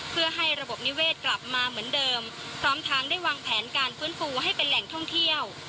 เพื่อให้ระบบนิเวศกลับมาเหมือนเดิมพร้อมทางได้วางแผนการฟื้นฟูให้เป็นแหล่งท่องเที่ยว